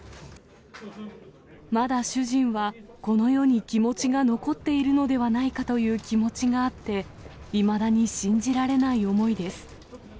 まだ主人はこの世に気持ちが残っているのではないかという気持ちがあって、いまだに信じられない思いです。